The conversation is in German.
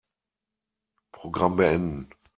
Programm beenden.